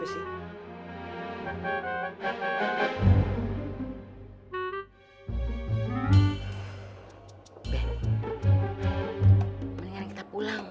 mendingan kita pulang